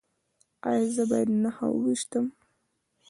ایا زه باید نښه وویشتم؟